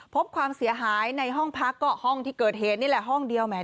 ความเสียหายในห้องพักก็ห้องที่เกิดเหตุนี่แหละห้องเดียวแหม